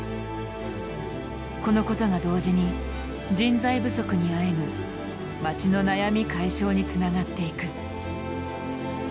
このことが同時に人材不足にあえぐ町の悩み解消につながっていく。